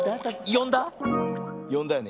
よんだよね？